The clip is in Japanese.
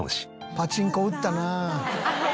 パチンコ打ったな。